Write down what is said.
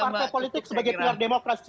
partai politik sebagai keluar demokrasi